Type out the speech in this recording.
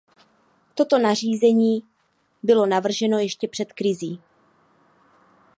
Toto nařízení bylo navrženo ještě před krizí.